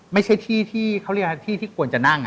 ไม่ใช่ที่ที่เขาเรียกที่ที่ควรจะนั่ง